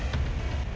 kita ke rumah